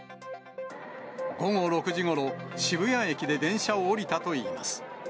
午後６時ごろ、渋谷駅で電車を降りたといいます。